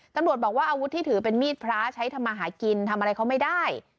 ตำรวจบอกว่าอาวุธที่ถือเป็นมีดพระใช้ทำมาหากินทำอะไรเขาไม่ได้